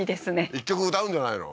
１曲歌うんじゃないの？